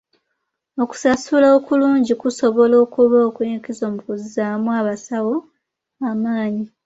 Okusasula okulungi kusobola okuba okw'enkizo mu kuzzaamu abasawo amaanyi .